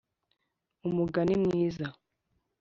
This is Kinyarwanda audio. umugani mwiza